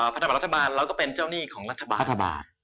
พันธบัตรรัฐบาลแล้วก็เป็นเจ้าหนี้ของรัฐบาล